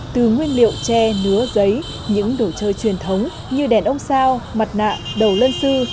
từ nguyên liệu tre nứa giấy những đồ chơi truyền thống như đèn ông sao mặt nạ đầu lân sư